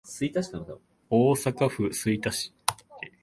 大阪府吹田市